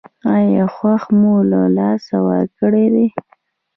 ایا هوښ مو له لاسه ورکړی دی؟